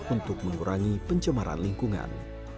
untuk mengurangi pencemaran lingkungan